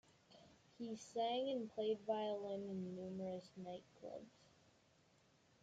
He sang and played violin in numerous nightclubs.